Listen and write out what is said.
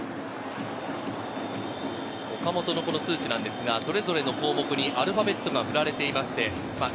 岡本の数値それぞれの項目にアルファベットが振られています。